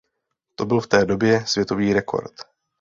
To byl v té době světový rekord.